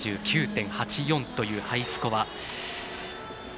７９．８４というハイスコア。